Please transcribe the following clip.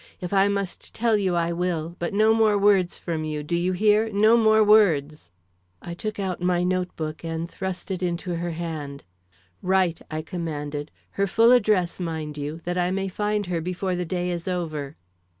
"If I must tell you I will, but no more words from you, do you hear, no more words." I took out my note book and thrust it into her hand. "Write," I, commanded; "her full address, mind you, that I may find her before the day is over."